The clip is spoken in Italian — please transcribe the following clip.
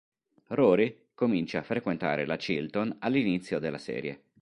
Rory comincia a frequentare la Chilton all'inizio della serie.